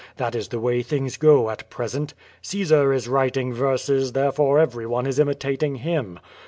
That is the way things go at present. Caesar is writing verses, there fore every one is imitating him.